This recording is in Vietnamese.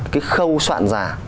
cái khâu soạn giả